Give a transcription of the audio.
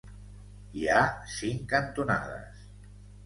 Hi ha cinc cantonades.